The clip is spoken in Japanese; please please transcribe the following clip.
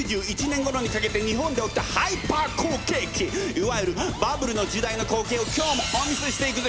いわゆるバブルの時代の光景を今日もお見せしていくぜ！